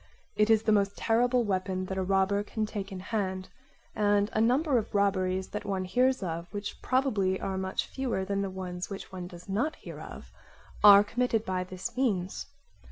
It is the most terrible weapon that a robber can take in hand; and a number of robberies that one hears of, which probably are much fewer than the ones which one does not hear of, are committed by this means.